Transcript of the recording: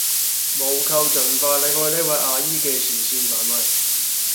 務求盡快離開呢位阿姨嘅視線範圍